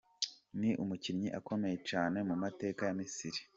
Ni umukinyi akomeye cane mu mateka ya Misiri.